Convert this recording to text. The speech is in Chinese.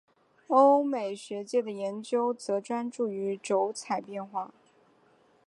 欧美学界的研究则专注于釉彩变化。